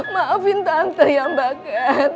maafin tante ya mbak ket